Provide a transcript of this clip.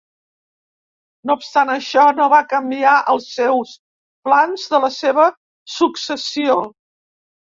No obstant això, no va canviar els seus plans de la seva successió.